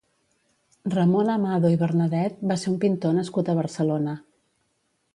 Ramon Amado i Bernadet va ser un pintor nascut a Barcelona.